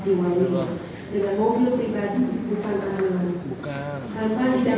inilah permohonan saya yang mulia